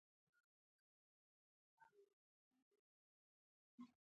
د هلمند په نادعلي کې د رخام کانونه دي.